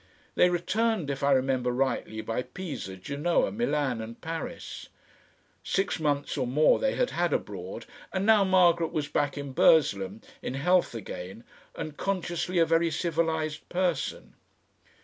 They returned, if I remember rightly, by Pisa, Genoa, Milan and Paris. Six months or more they had had abroad, and now Margaret was back in Burslem, in health again and consciously a very civilised person.